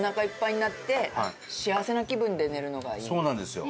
そうなんですよ。